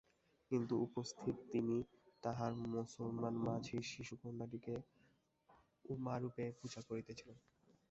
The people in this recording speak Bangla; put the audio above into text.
কিন্তু উপস্থিত তিনি তাঁহার মুসলমান মাঝির শিশু কন্যাটিকে উমারূপে পূজা করিতেছিলেন।